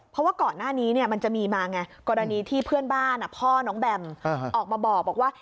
เพราะว่าก่อนหน้านี้มันจะมีมาไงกรณีที่เพื่อนบ้านพ่อน้องแบมออกมาบอกว่า